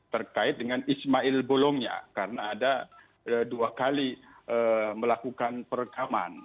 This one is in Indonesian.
terkait dengan ismail bolongnya karena ada dua kali melakukan perekaman